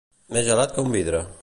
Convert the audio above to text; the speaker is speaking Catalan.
Més gelat que un vidre.